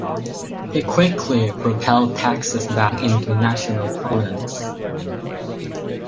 He quickly propelled Texas back into national prominence.